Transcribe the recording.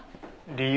理由？